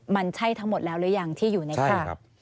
มันใช่ทั้งหมดแล้วหรือยังที่อยู่ในครับใช่ครับ